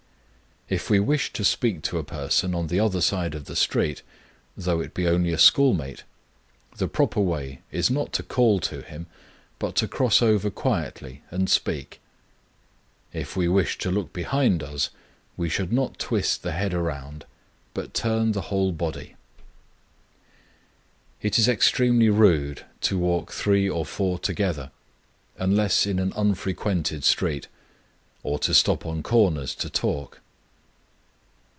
If we wish to speak to a person on the other side of the street, though it be only a schoolmate, the proper way is not to call to him, but to cross over quietly and speak. If we wish to look behind us, we should not twist the head around, but turn the whole body. It is extremely rude to walk three or four together, unless in an unfrequented street, or to stop on corners to talk.